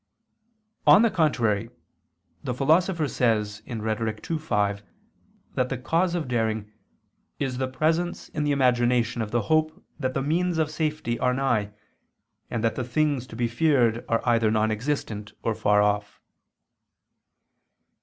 On the contrary, The Philosopher says (Rhet. ii, 5) that the cause of daring "is the presence in the imagination of the hope that the means of safety are nigh, and that the things to be feared are either non existent or far off."